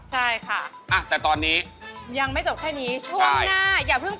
สวัสดีครับสวัสดีครับ